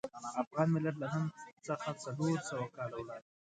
افغان ملت له نن څخه څلور سوه کاله وړاندې.